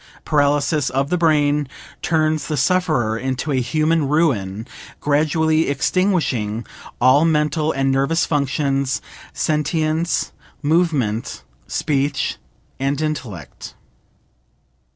Paralysis of the brain turns the sufferer into a human ruin, gradually extinguishing all mental and nervous functions, sentience, movement, speech and intellect.